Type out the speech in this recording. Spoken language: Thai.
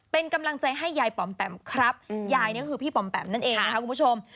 เป็นกำลังใจให้ยายปอมแปมครับยายนี่ก็คือพี่ปอมแปมนั่นเองนะคะคุณผู้ชม